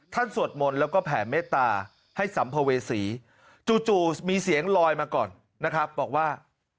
สวดมนต์แล้วก็แผ่เมตตาให้สัมภเวษีจู่มีเสียงลอยมาก่อนนะครับบอกว่า